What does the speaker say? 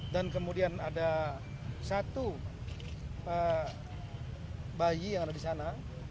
dan kemudian ada satu bayi yang ada di sana